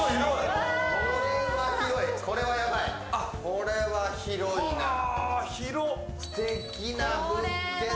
これは広いな。